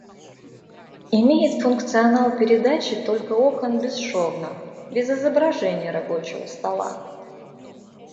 Имеет функционал передачи только окон бесшовно, без изображения рабочего стола